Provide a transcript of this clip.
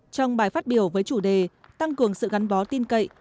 trong bài phát biểu với chủ đề tăng cường sự gắn bó tin cậy